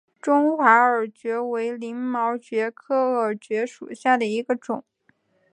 中华耳蕨为鳞毛蕨科耳蕨属下的一个种。